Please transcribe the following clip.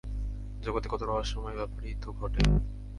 জগতে কত রহস্যময় ব্যাপারই তো ঘটে।